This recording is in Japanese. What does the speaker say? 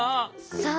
さあ。